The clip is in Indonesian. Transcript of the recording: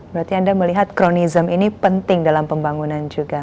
berarti anda melihat kronism ini penting dalam pembangunan juga